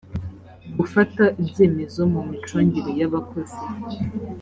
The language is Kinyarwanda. gufata ibyemezo mu micungire y abakozi